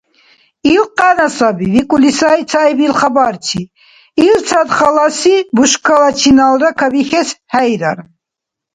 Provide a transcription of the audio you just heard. — Ил къяна саби, — викӀули сай цаибил хабарчи, — илцад халаси бушкала чиналра кабихьес хӀейрар.